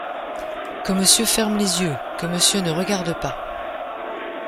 Que monsieur ferme les yeux! que monsieur ne regarde pas !